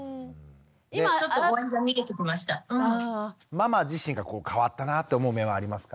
ママ自身が変わったなって思う面はありますか？